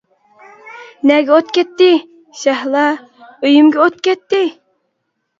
— نەگە ئوت كەتتى؟ شەھلا:— ئۆيۈمگە ئوت كەتتى!